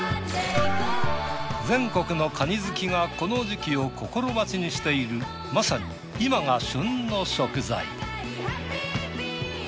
全国のカニ好きがこの時期を心待ちにしているまさに今が旬の食材。